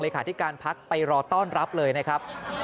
ที่การพักไปรอต้อนรับเลยนะครับ